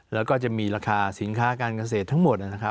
แล้วก็จะมีราคาสินค้าการเกษตรทั้งหมด